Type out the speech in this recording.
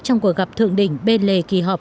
trong cuộc gặp thượng đỉnh bên lề kỳ họp